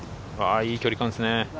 いい距離感ですね。